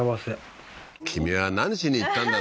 君は何しに行ったんだよ